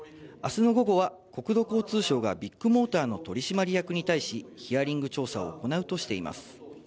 あすの午後は国土交通省がビッグモーターの取締役に対し、ヒアリング調査を行うとしています。